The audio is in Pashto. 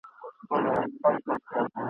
په اذان به یې وګړي روژه نه سي ماتولای ..